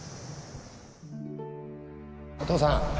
お父さん。